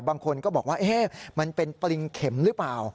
บางคนก็บอกว่ามันเป็นปริงเข็มหรือเปล่า